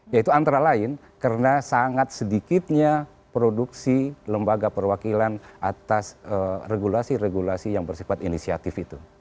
yaitu antara lain karena sangat sedikitnya produksi lembaga perwakilan atas regulasi regulasi yang bersifat inisiatif itu